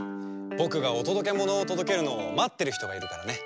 ぼくがおとどけものをとどけるのをまってるひとがいるからね。